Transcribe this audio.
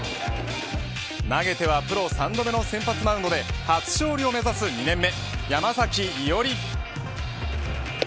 投げてはプロ３度目の先発マウンドで初勝利を目指す２年目山崎伊織。